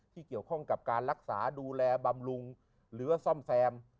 ที่เกี่ยวข้องกับการรักษาดูแลบำรุงหรือว่าซ่อมแซม